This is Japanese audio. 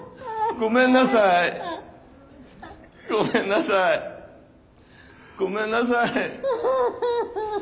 ごめんなさいごめんなさいごめんなさい。